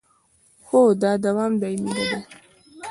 خو دا دوام دایمي نه دی